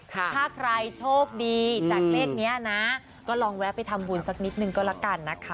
ถ้าใครโชคดีจากเลขนี้นะก็ลองแวะไปทำบุญสักนิดนึงก็ละกันนะคะ